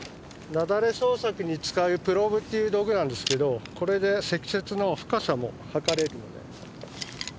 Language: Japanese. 雪崩捜索に使うプローブっていう道具なんですけどこれで積雪の深さも測れるので。